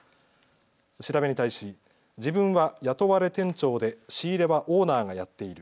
調べに対し、自分は雇われ店長で仕入れはオーナーがやっている。